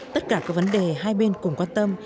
tất cả các vấn đề hai bên cùng quan tâm